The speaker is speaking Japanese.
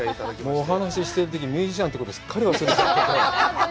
もうお話ししてるときミュージシャンということ、すっかり忘れちゃいました。